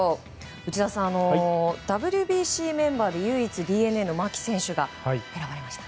内田さん、ＷＢＣメンバーで唯一ＤｅＮＡの牧選手が選ばれました。